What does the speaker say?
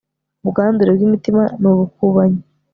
ubwandure bw'imitima n'ubukubanyi